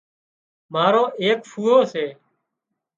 مارو ايڪ ڦُوئو سي